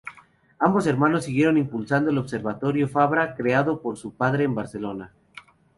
Ambos hermanos siguieron impulsando el Observatorio Fabra creado por su padre en Barcelona.